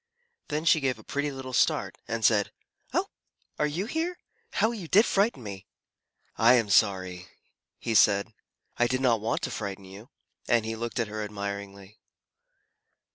Then she gave a pretty little start, and said, "Oh, are you here? How you did frighten me!" "I am sorry," he said. "I did not want to frighten you." And he looked at her admiringly.